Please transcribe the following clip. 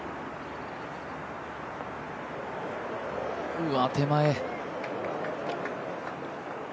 うわ、手前。